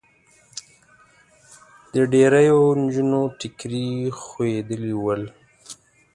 د ډېریو نجونو ټیکري خوېدلي ول.